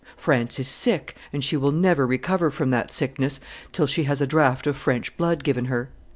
France is sick, and she will never recover from that sickness till she has a draught of French blood given her.